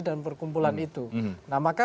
dan perkumpulan itu nah maka